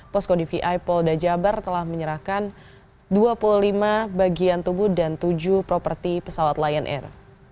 posko dvi polda jabar telah menyerahkan dua puluh lima bagian tubuh dan tujuh properti pesawat lion air